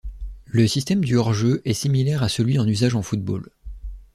Le système du hors-jeu est similaire à celui en usage en football.